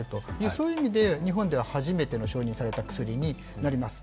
そういう意味で日本では初めて承認された薬になります。